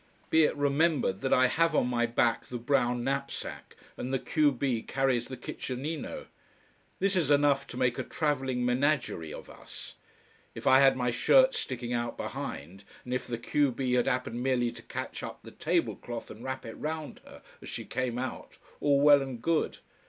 Be it remembered that I have on my back the brown knapsack, and the q b carries the kitchenino. This is enough to make a travelling menagerie of us. If I had my shirt sticking out behind, and if the q b had happened merely to catch up the table cloth and wrap it round her as she came out, all well and good.